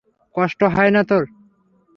কষ্ট হয় না তোর?